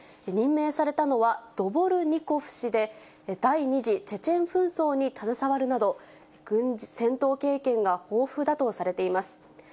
任命されたのは、ドボルニコフ氏で、第２次チェチェン紛争に携わるなど、戦闘経験が豊富だとされています。